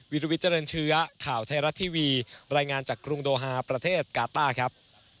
วิทยเจริญเชื้อข่าวไทยรัฐทีวีรายงานจากกรุงโดฮาประเทศกาต้าครับ